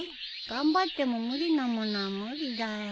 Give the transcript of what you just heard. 頑張っても無理なものは無理だよ。